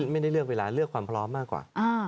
ไม่ได้เลือกเวลาเลือกความพร้อมมากกว่า